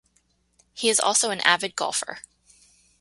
He is also an avid golfer.